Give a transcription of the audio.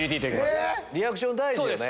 リアクション大事よね。